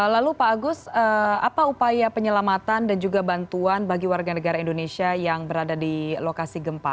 lalu pak agus apa upaya penyelamatan dan juga bantuan bagi warga negara indonesia yang berada di lokasi gempa